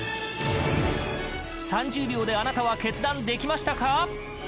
３０秒であなたは決断できましたか？